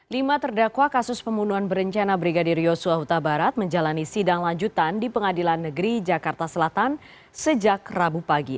lima terdakwa kasus pembunuhan berencana brigadir yosua huta barat menjalani sidang lanjutan di pengadilan negeri jakarta selatan sejak rabu pagi